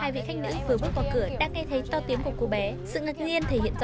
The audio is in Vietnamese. vị khách đã bức xúc và lên tiếng bảo vệ nhân viên bán hàng